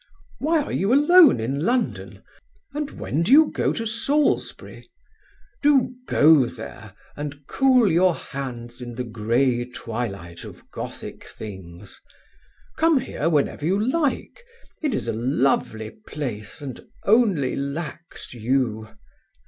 Why are you alone in London, and when do you go to Salisbury? Do go there and cool your hands in the grey twilight of Gothic things. Come here whenever you like. It is a lovely place and only lacks you.